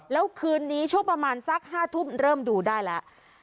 แล้วคืนนี้ช่วงประมาณสัก๕ทุ่มเริ่มดูได้แล้ว